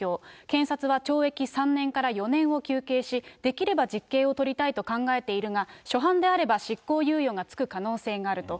検察は懲役３年から４年を求刑し、できれば実刑を取りたい考えているが、初犯であれば執行猶予が付く可能性があると。